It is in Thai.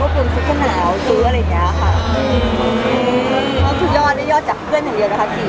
อุ้ยฉันตอนนั้นไม่ได้ใช่